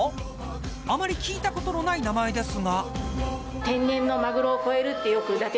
あまり聞いたことのない名前ですが。